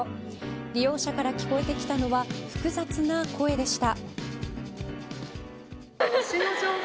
利用者から聞こえてきたのは複雑な声でした。